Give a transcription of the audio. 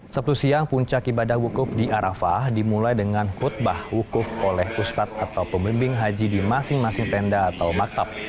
sabtu siang puncak ibadah hukuf di arafah dimulai dengan khutbah wukuf oleh ustadz atau pembimbing haji di masing masing tenda atau maktab